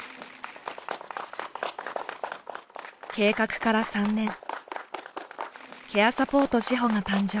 計画から３年ケアサポート志保が誕生。